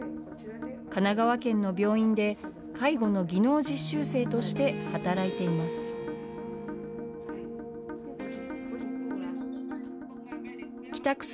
神奈川県の病院で介護の技能実習生として働いています。